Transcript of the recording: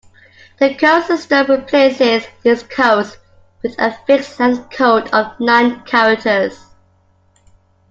The current system replaces these codes with a fixed length code of nine characters.